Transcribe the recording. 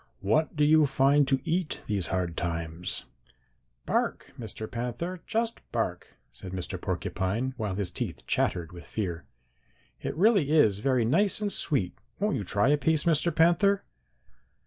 'What do you find to eat these hard times?' "'Bark, Mr. Panther, just bark,' said Mr. Porcupine, while his teeth chattered with fear. 'It really is very nice and sweet. Won't you try a piece, Mr. Panther?'